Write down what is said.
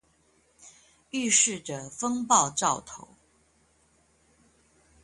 預示著風暴兆頭